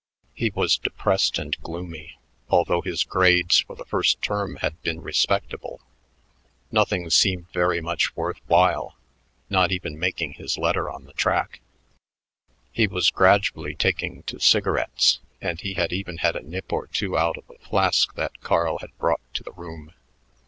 He was depressed and gloomy, although his grades for the first term had been respectable. Nothing seemed very much worth while, not even making his letter on the track. He was gradually taking to cigarettes, and he had even had a nip or two out of a flask that Carl had brought to the room.